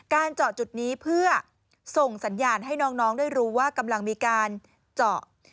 เจาะจุดนี้เพื่อส่งสัญญาณให้น้องได้รู้ว่ากำลังมีการเจาะ